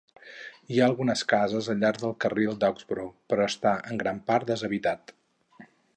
Hi ha algunes cases al llarg del carril d'Axborough, però està en gran part deshabitat.